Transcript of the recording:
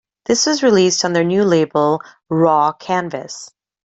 This was released on their new label Raw Canvas.